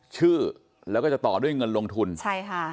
ชื่อแล้วก็จะต่อด้วยเงินลงทุนใช่ค่ะ